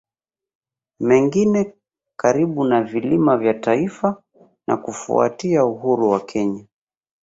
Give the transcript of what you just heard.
Mengine karibu na Vilima vya Taita na Kufuatia uhuru wa Kenya